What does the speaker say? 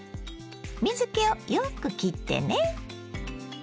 水けをよくきってね。